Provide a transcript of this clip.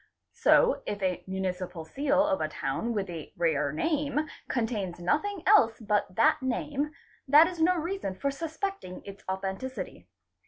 So if a municipal seal of a town with a rare name contains nothing else but that name, that is no reason for suspecting its authenticity.